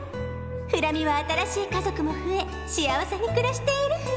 フラ美は新しい家族も増え幸せに暮らしているフラ」。